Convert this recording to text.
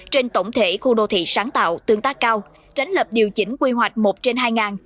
trên tổng thể khu đô thị sáng tạo tương tác cao tránh lập điều chỉnh quy hoạch một trên hai ngàn